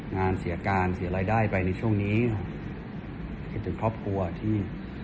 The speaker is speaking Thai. งานเสียการเสียรายได้ไปในช่วงนี้คิดถึงครอบครัวที่